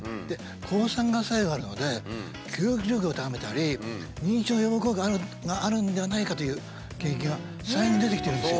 抗酸化作用があるので記憶力を高めたり認知症の予防効果があるんではないかという研究が最近出てきてるんですよ。